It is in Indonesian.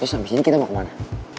terus abis ini kita mau kemana